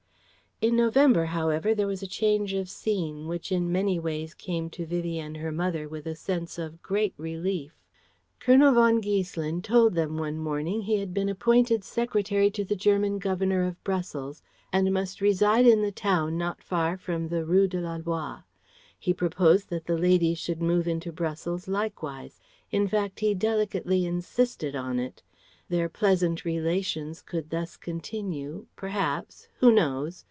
In November, however, there was a change of scene, which in many ways came to Vivie and her mother with a sense of great relief. Colonel von Giesselin told them one morning he had been appointed Secretary to the German Governor of Brussels, and must reside in the town not far from the Rue de la Loi. He proposed that the ladies should move into Brussels likewise; in fact he delicately insisted on it. Their pleasant relations could thus continue perhaps who knows?